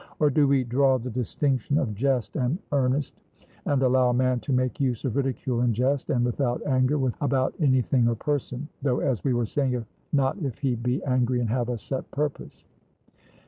or do we draw the distinction of jest and earnest, and allow a man to make use of ridicule in jest and without anger about any thing or person; though as we were saying, not if he be angry and have a set purpose?